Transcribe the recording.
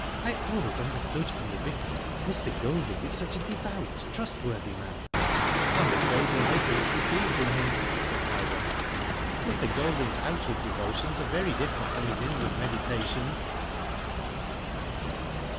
" I always under stood from the Vicar Mr, Golding is such a devout, trustworthy man." I am afraid your Vicar is deceived in him," said Ida, Mr Goldingfs outward devotions are very diflFerent from his inward meditations.".